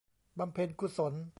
บำเพ็ญกุศล